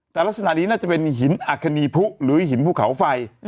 แต่ลักษณะนี้น่าจะเป็นหินอัคคณีพุหรือหินภูเขาไฟ